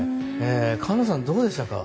菅野さん、どうでしたか。